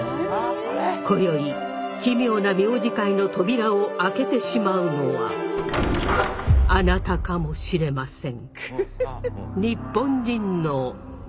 今宵奇妙な名字界の扉を開けてしまうのはあなたかもしれません。